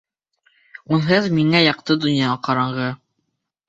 Унһыҙ миңә яҡты донъя ҡараңғы.